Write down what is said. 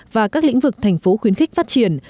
và các lĩnh vực thành phố khuyến khích phát triển